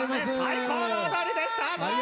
最高の踊りでしたぞ。